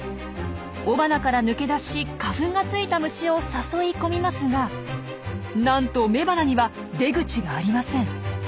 雄花から抜け出し花粉がついた虫を誘い込みますがなんと雌花には出口がありません。